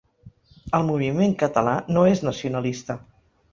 El moviment català no és nacionalista.